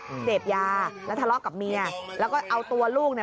เสพยาแล้วทะเลาะกับเมียแล้วก็เอาตัวลูกน่ะ